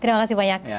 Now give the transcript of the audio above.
terima kasih banyak